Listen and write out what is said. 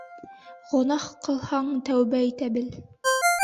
Гонаһ ҡылһаң, тәүбә итә бел.